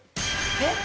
えっ？